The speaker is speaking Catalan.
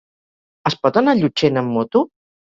Es pot anar a Llutxent amb moto?